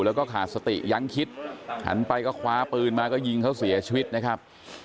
แล้วก็ขาดสติยังคิดหันไปก็คว้าปืนมาก็ยิงเขาเสียชีวิตนะครับ